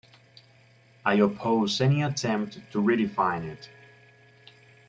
I oppose any attempt to redefine it.